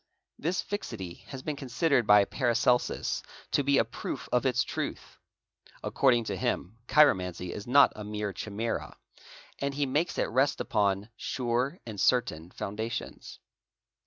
This fixity has been considered by Paracelsus to be a proof of its truth; according to him, chiromancy is not a mere chimera, and he makes it rest upon "sure and certain foundations.